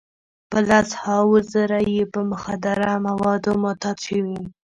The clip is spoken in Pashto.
په لس هاوو زره یې په مخدره موادو معتاد شوي.